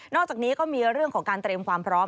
อกจากนี้ก็มีเรื่องของการเตรียมความพร้อม